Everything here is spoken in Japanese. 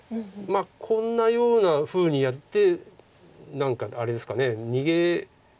こんなようなふうにやって何かあれですか逃げ。